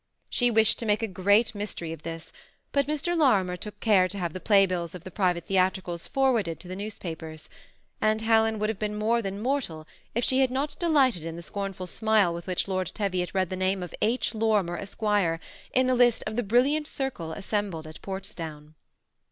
She wished to make a great mystery of this, but Mr. Lorimer took care to have the playbills of the private theatricals forwarded to the newspapers ; and Helen would have been more than mortal, if she had not delighted in the scornful smile with which Lord Teviot read the name of H. Lorimer, Esq., in the list of ^^ the brilliant circle " as sembled at Portsdown.